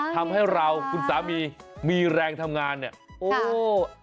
ทำให้เราคุณสามีมีแรงทำงานเนี่ยโอ้